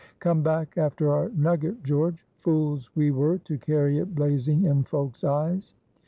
"Come back after our nugget, George. Fools we were to carry it blazing in folks' eyes."